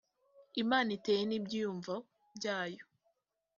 imana iteye n ‘ibyiyumvo byayo .